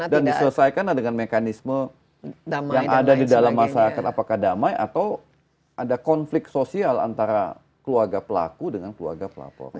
dan diselesaikan dengan mekanisme yang ada di dalam masyarakat apakah damai atau ada konflik sosial antara keluarga pelaku dengan keluarga pelaporan